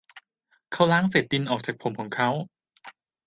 เขาล้างเศษดินออกจากผมของเขา